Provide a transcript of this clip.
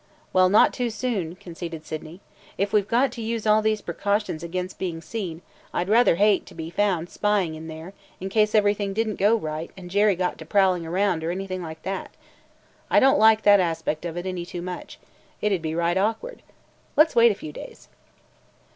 "Well, not too soon," conceded Sydney. "If we 've got to use all these precautions against being seen, I 'd rather hate to be found spying around there, in case everything did n't go right and Jerry got to prowling around or anything like that. I don't like that aspect of it any too much. It 'd be right awkward! Let 's wait a few days."